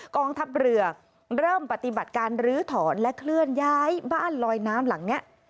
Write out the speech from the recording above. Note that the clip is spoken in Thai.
กองทัพเรือเริ่มปฏิบัติการลื้อถอนและเคลื่อนย้ายบ้านลอยน้ำหลังนี้